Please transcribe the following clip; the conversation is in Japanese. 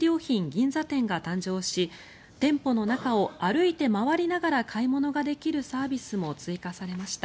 銀座店が誕生し店舗の中を歩いて回りながら買い物ができるサービスも追加されました。